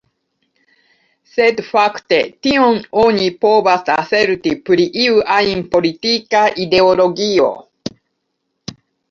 Sed fakte, tion oni povas aserti pri iu ajn politika ideologio.